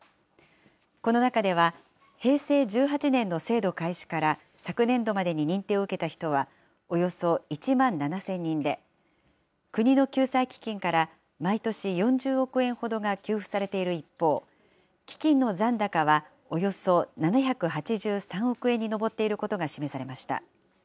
この中では、平成１８年の制度開始から昨年度までに認定を受けた人はおよそ１万７０００人で、国の救済基金から毎年４０億円ほどが給付されている一方、基金の残高はおよそ７８３億円に上っていることが示されました。